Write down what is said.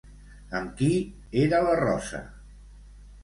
Amb qui era la Rosa?